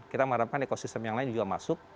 kita mengharapkan ekosistem yang lain juga masuk